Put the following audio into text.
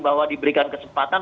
bahwa diberikan kesempatan